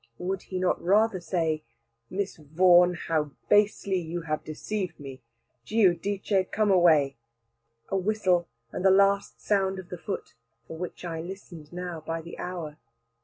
Would he not rather say, "Miss Vaughan, how basely you have deceived me! Giudice, come away!" A whistle and the last sound of the foot, for which I listened now by the hour.